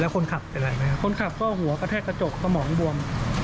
คนขับเป็นอะไรไหมครับคนขับก็หัวกระแทกกระจกสมองบวม